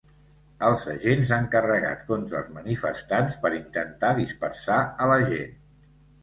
Els agents han carregat contra els manifestants per intentar dispersar a la gent.